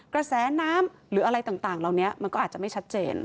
กระแสน้ำหรืออะไรต่างเหล่านี้มันก็อาจจะไม่ชัดเจน